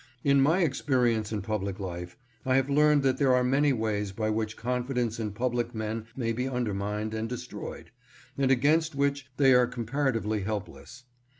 In my experience in public life I have learned that there are many ways by which confidence in public men may be undermined and destroyed, and against which they are comparatively helpless.